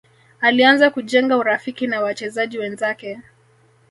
alianza kujenga urafiki na wachezaji wenzake